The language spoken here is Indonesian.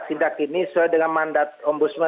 tindak ini sesuai dengan mandat ombudsman